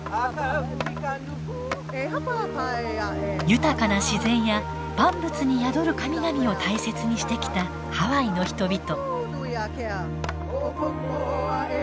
豊かな自然や万物に宿る神々を大切にしてきたハワイの人々。